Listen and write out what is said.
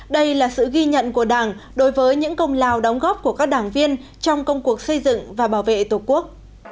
đây là sự ghi nhận của đảng đối với những công lao đóng góp của các đảng viên trong công cuộc xây dựng và bảo vệ tổ quốc